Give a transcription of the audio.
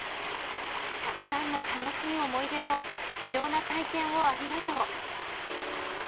たくさんの楽しい思い出と貴重な体験をありがとう。